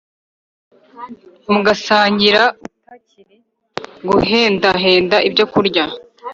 mugasangira utacyiri guhendahenda ibyo kurya